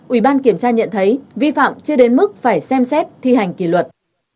ủy ban kiểm tra nhận thấy vi phạm chưa đến mức phải xem xét thi hành kỷ luật